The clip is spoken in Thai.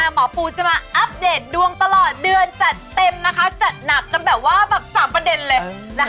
หมอปูจะมาอัปเดตดวงตลอดเดือนจัดเต็มนะคะจัดหนักกันแบบว่าแบบ๓ประเด็นเลย